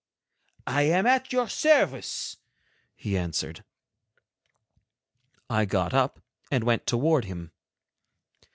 "I am at your service," he answered. I got up and went toward him.